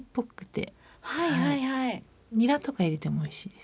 にらとか入れてもおいしいです。